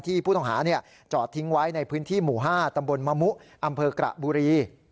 ผู้ต้องหาจอดทิ้งไว้ในพื้นที่หมู่๕ตำบลมะมุอำเภอกระบุรี